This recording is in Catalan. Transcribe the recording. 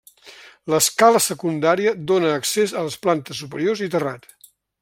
L'escala secundària dóna accés a les plantes superiors i terrat.